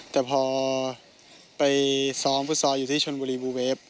แต่พอไปซ้อมฟุตซอลอยู่ที่ชนบุรีบูเวฟ